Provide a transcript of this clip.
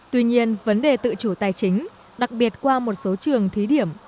tuy nhiên vấn đề tự chủ tài chính đặc biệt qua một số trường thí điểm